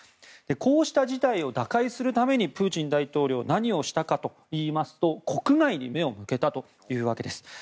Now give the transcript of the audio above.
こうした事態を打開するためにプーチン大統領何をしたかといいますと国内に目を向けたわけです。